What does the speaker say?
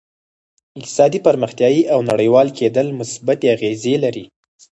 اقتصادي پرمختیا او نړیوال کېدل مثبتې اغېزې لري